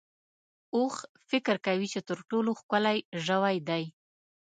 اوښ فکر کوي چې تر ټولو ښکلی ژوی دی.